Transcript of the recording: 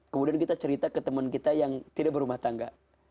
kemudian kita cerita ke teman kita yang tidak berumah tangga